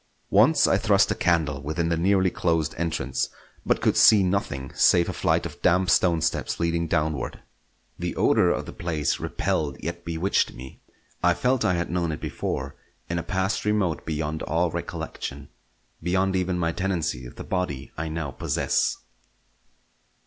Once I thrust a candle within the nearly closed entrance, but could see nothing save a flight of damp stone steps leading downward. The odour of the place repelled yet bewitched me. I felt I had known it before, in a past remote beyond all recollection; beyond even my tenancy of the body I now possess.